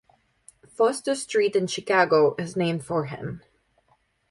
Foster Street in Chicago is named for him.